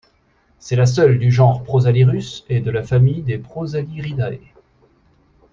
C'est la seule du genre Prosalirus et de la famille des Prosaliridae.